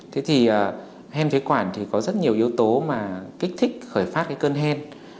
thế thì hen phế quản thì có rất nhiều yếu tố mà kích thích khởi phát cái cơn hen